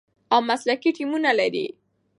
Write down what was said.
او مسلکي ټیمونه لري،